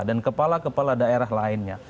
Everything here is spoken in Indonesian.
dan kepala kepala daerah lainnya